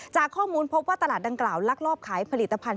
จากข้อมูลพบว่าตลาดดังกล่าวลักลอบขายผลิตภัณฑ